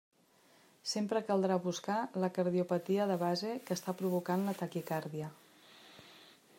Sempre caldrà buscar la cardiopatia de base que està provocant la taquicàrdia.